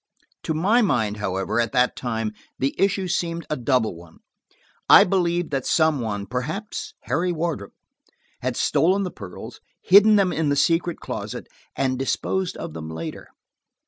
To my mind, however, at that time, the issue seemed a double one. I believed that some one, perhaps Harry Wardrop, had stolen the pearls, hidden them in the secret closet, and disposed of them later.